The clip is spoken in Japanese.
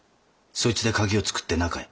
そいつで鍵を作って中へ。